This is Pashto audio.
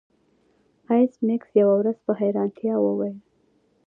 ایس میکس یوه ورځ په حیرانتیا وویل